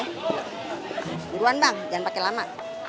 hai tuan bang jangan pakai lama